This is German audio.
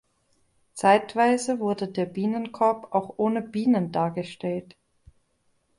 Zeitweise wurde der Bienenkorb auch ohne Bienen dargestellt.